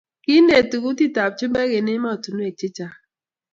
kiineti kutitab chumbek eng emetinwogik chechang